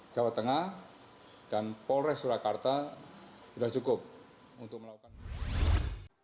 jawa tengah dan polres surakarta sudah cukup untuk melakukan